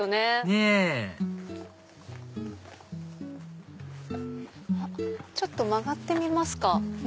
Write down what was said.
ねぇちょっと曲がってみますか。